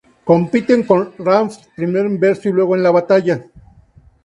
Compite con Hrafn primero en verso, y luego en la batalla.